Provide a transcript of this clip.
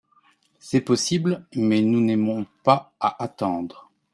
C’est possible, mais nous n’aimons pas à attendre.